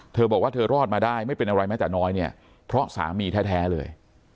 เธอบอกว่าเธอรอดมาได้ไม่เป็นอะไรแม้แต่น้อยเนี่ยเพราะสามีแท้เลย